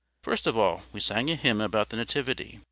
First of all, we sang a hymn about the Nativity.